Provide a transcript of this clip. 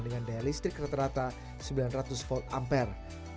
dengan daya listrik rata rata sembilan ratus volt ampere